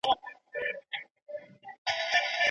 کله باید د خپل رواني خوندیتوب لپاره لري واوسو؟